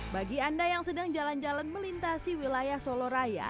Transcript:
bagi anda yang sedang jalan jalan melintasi wilayah soloraya